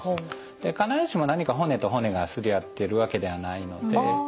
必ずしも何か骨と骨が擦り合ってるわけではないので。